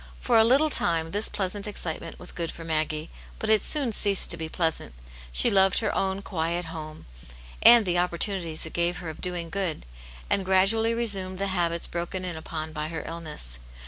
For a little time this pleasant excitement was |;ood for Maggie, but it soon ceased to be pleasant. She loved her own quiet home, and the opportunities it gave her of doing good, and gra dually resumed the habits broken in upon by her illness.